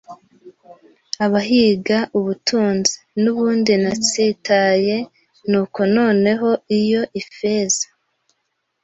abahiga ubutunzi. Nubundi natsitaye, nuko noneho iyo Ifeza